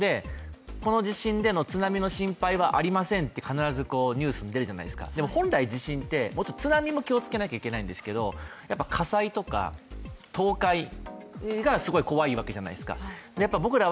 この地震での津波の心配はありませんって、必ずニュース出るじゃないですかでも、本来地震って、津波も気をつけなきゃいけいないんですけど火災とか倒壊がすごい怖いわけじゃないですか。